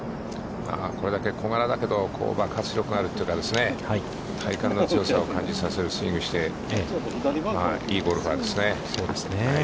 これだけ小柄だけど、爆発力があるというか、体幹の強さを感じさせるスイングをして、いいゴルファーですね。